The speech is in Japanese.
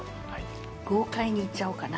豪快にいっちゃおうかな。